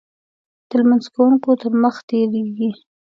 د لمونځ کوونکو تر مخې تېرېږي.